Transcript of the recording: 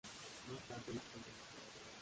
Más tarde, la mujer conoció a otro hombre.